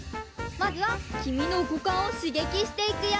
まずはきみのごかんをしげきしていくよ！